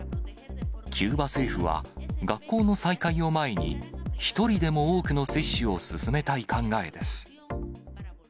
キューバ政府は、学校の再開を前に、一人でも多くの接種を進めたい考えです。